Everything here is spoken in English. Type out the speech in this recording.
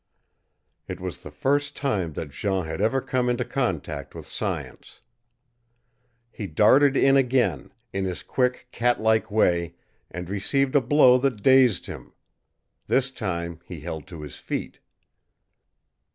It was the first time that Jean had ever come into contact with science. He darted in again, in his quick, cat like way, and received a blow that dazed him. This time he held to his feet.